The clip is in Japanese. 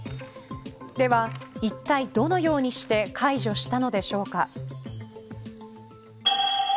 では、いったいどのようにして解除したのでしょうか。